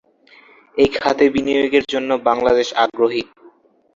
এই খাতে বিনিয়োগের জন্য বাংলাদেশ আগ্রহী।